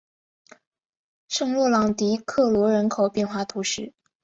圣洛朗迪克罗人口变化图示